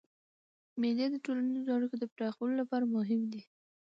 مېلې د ټولنیزو اړیکو د پراخولو له پاره مهمي دي.